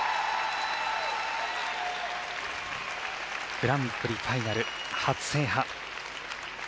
グランプリファイナル初制覇。